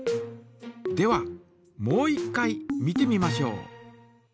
ではもう一回見てみましょう。